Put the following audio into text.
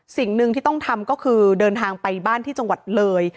สิ่งหนึ่งที่ต้องทำก็คือเดินทางไปบ้านที่จังหวัดเลย